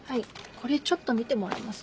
これちょっと見てもらえます？